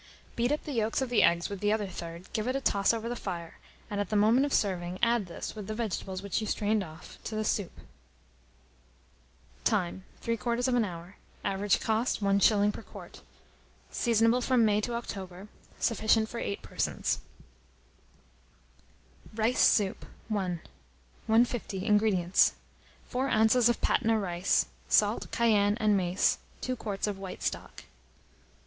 Beat up the yolks of the eggs with the other third, give it a toss over the fire, and at the moment of serving, add this, with the vegetables which you strained off, to the soup. Time. 3/4 of an hour. Average cost, 1s. per quart. Seasonable from May to October. Sufficient for 8 persons. RICE SOUP. I. 150. INGREDIENTS. 4 oz. of Patna rice, salt, cayenne, and mace, 2 quarts of white stock.